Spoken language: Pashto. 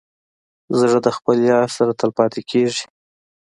زړه د خپل یار سره تل پاتې کېږي.